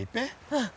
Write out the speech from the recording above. うん。